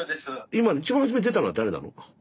今一番はじめに出たのは誰なの？